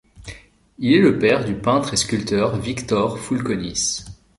Il est le père du peintre et sculpteur Victor Fulconis.